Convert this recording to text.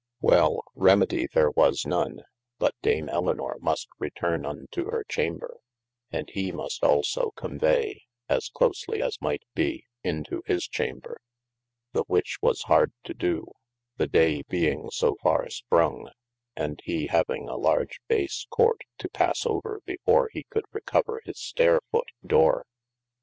Well, remedie was there none, but dame Elynor muste returne unto hir chamber, and he muste also convey himselfe (as closely as might be) into his chamber, the which was hard to do, the day being so farre sprong, and he having a large base court to passe over before he could recover his staire foote dore.